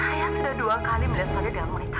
saya sudah dua kali melihat fadil dengan menikahnya